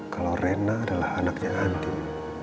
kalau rena adalah anaknya anti